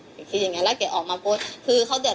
พี่ลองคิดดูสิที่พี่ไปลงกันที่ทุกคนพูด